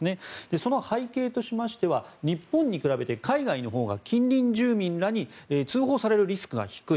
その背景としては日本に比べて海外のほうが近隣住民らに通報されるリスクが低い。